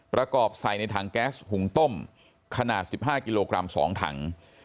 ประกอบใส่ในถังแก๊สหุงต้มขนาด๑๕กิโลกรัม๒ถัง